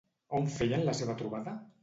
On feien la seva trobada?